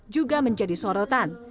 juga menjadi sorotan